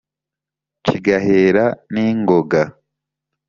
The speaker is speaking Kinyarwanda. kigahera n'ingoga,